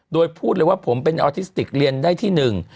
โดยพูดเลยว่าผมเป็นออทิสติกเรียนได้ที่หนึ่ง